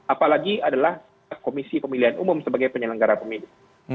apalagi adalah komisi pemilihan umum sebagai penyelenggara pemilu